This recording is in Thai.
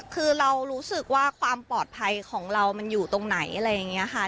คือเรารู้สึกว่าความปลอดภัยของเรามันอยู่ตรงไหนอะไรอย่างนี้ค่ะ